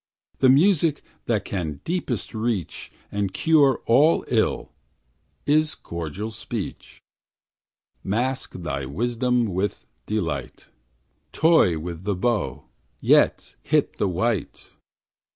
The music that can deepest reach, And cure all ill, is cordial speech: Mask thy wisdom with delight, Toy with the bow, yet hit the white.